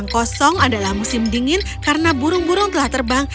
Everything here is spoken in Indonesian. kosong adalah musim dingin karena burung burung telah terbang